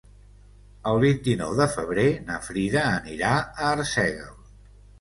El vint-i-nou de febrer na Frida anirà a Arsèguel.